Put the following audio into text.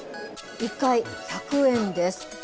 １回１００円です。